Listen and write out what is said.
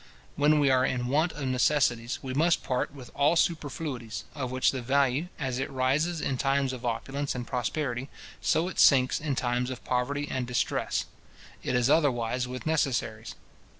When we are in want of necessaries, we must part with all superfluities, of which the value, as it rises in times of opulence and prosperity, so it sinks in times of poverty and distress. It is otherwise with necessaries.